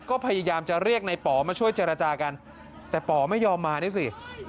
ก็พยายามจะเรียกในป๋อมาช่วยเจรจากันแต่ป๋อไม่ยอมมานี่สิ